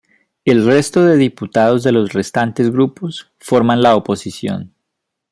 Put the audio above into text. El resto de diputados de los restantes grupos forman la oposición.